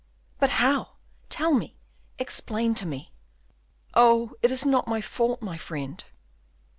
"But how? Tell me, explain to me." "Oh, it is not my fault, my friend."